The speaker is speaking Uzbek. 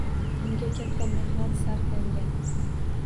Unga katta mehnat sarflangan.